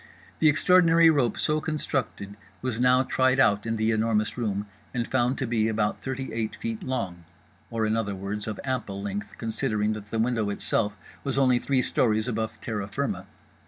The extraordinary rope so constructed was now tried out in The Enormous Room, and found to be about thirty eight feet long; or in other words of ample length, considering that the window itself was only three stories above terra firma.